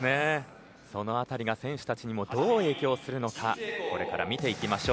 そのあたりが選手たちにもどう影響するのかこれから見ていきましょう。